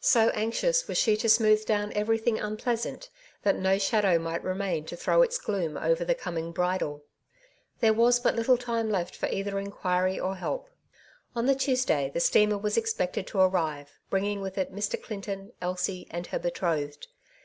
So anxious was she to smooth down every thing unpleasant, that no shadow might remain to throw its gloom over the coming bridal. There was but little time left for either inquiry or help. On the Tuesday the steamer was expected to arrive, bringing with it Mr. Clinton, Elsie, and her betrothed.